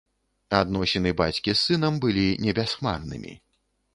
Адносіны бацькі з сынам былі не бясхмарнымі.